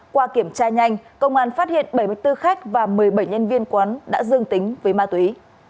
qua kiểm tra nhanh công an phát hiện bảy mươi bốn khách và một mươi bảy nhân viên quán đã dương tính với ma túy